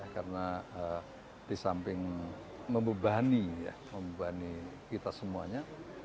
karena di samping membebani ya membebani kita semuanya